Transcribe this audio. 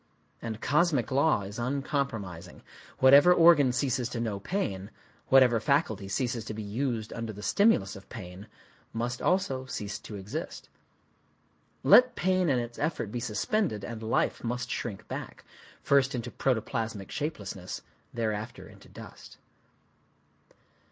And cosmic law is uncompromising. Whatever organ ceases to know pain,—whatever faculty ceases to be used under the stimulus of pain,—must also cease to exist. Let pain and its effort be suspended, and life must shrink back, first into protoplasmic shapelessness, thereafter into dust.